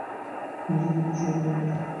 তিনি ছিলেন বিশ্বজ্ঞানের ভাণ্ডারী।